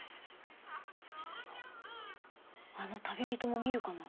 あの旅人も見るかな。